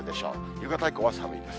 夕方以降は寒いです。